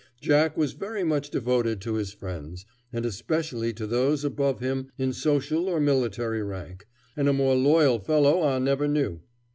Jack was very much devoted to his friends, and especially to those above him in social or military rank; and a more loyal fellow I never knew.